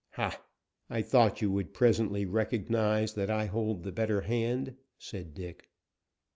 "Ha! I thought you would presently recognize that I hold the better hand," said Dick.